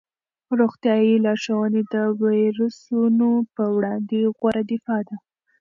روغتیايي لارښوونې د ویروسونو په وړاندې غوره دفاع ده.